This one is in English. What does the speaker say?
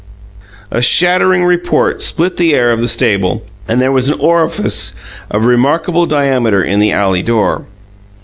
BANG! WH A A ACK! A shattering report split the air of the stable, and there was an orifice of remarkable diameter in the alley door.